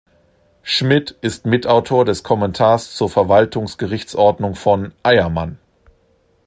Schmidt ist Mitautor des Kommentars zur Verwaltungsgerichtsordnung von "Eyermann".